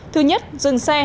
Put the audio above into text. thứ nhất dừng xe